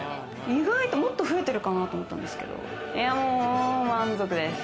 意外ともっと増えてるかなと思ったんですけど、満足です。